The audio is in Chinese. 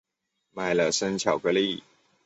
买了生巧克力